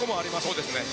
そうですね。